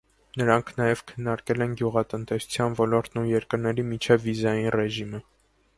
Նրանք նաև քննարկել են գյուղատնտեսության ոլորտն ու երկրների միջև վիզային ռեժիմը։